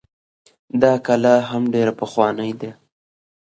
دا کلا هم ډيره پخوانۍ ده